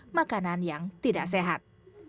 dan juga menghindari makanan yang tidak sehat